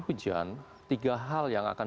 hujan tiga hal yang akan